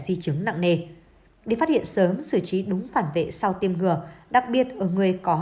di chứng nặng nề đi phát hiện sớm xử trí đúng phản vệ sau tiêm ngừa đặc biệt ở người có